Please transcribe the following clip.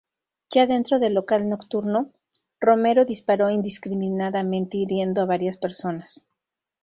Ya dentro del local nocturno, Romero disparó indiscriminadamente hiriendo a varias personas.